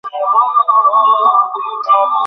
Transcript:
তিনি নিন্দিত ও কমিন্টার্ন থেকে বিতাড়িত হন।